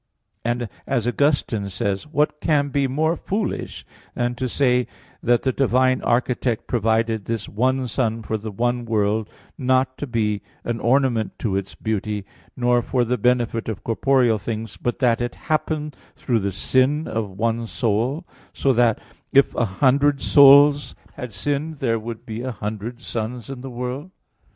And, as Augustine says (De Civ. Dei ii, 3): "What can be more foolish than to say that the divine Architect provided this one sun for the one world, not to be an ornament to its beauty, nor for the benefit of corporeal things, but that it happened through the sin of one soul; so that, if a hundred souls had sinned, there would be a hundred suns in the world?"